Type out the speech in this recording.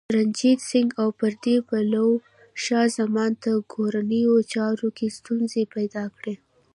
رنجیت سنګ او پردي پلوو شاه زمان ته کورنیو چارو کې ستونزې پیدا کړې.